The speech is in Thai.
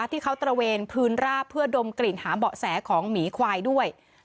ตระเวนพื้นราบเพื่อดมกลิ่นหาเบาะแสของหมีควายด้วย